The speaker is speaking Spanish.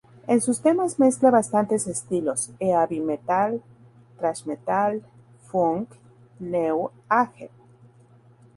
En sus temas mezcla bastantes estilos: Heavy metal, Thrash metal, Funk, New age.